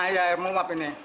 iya air meluap ini